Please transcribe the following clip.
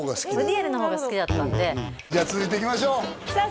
リアルな方が好きだったんでじゃあ続いていきましょうさあ